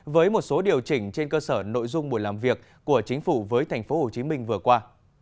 với một số điều chỉnh trên cơ sở nội dung buổi làm việc của chính phủ với tp hcm vừa qua